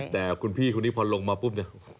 แต่คุณพี่คุณนี่พอลงมาปุ๊บ